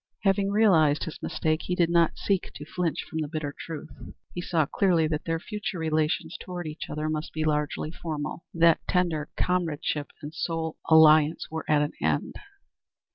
Having realized his mistake, he did not seek to flinch from the bitter truth. He saw clearly that their future relations toward each other must be largely formal; that tender comradeship and mutual soul alliance were at an end.